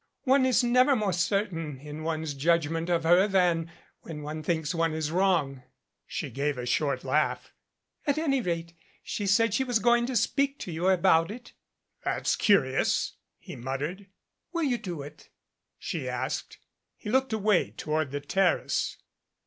One is never more certain in one's judgment of her than when one thinks one is wrong." She gave a short laugh. "At any rate, she said she was going to speak to you about it." "That's curious," he muttered. "Will you do it?" she asked. He looked away toward the terrace.